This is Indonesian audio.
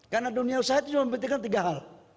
karena dunia usaha itu membutuhkan tiga hal